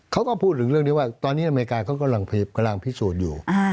เขาก็พูดถึงเรื่องนี้ว่าตอนนี้อเมริกาเขากำลังพิสูจน์อยู่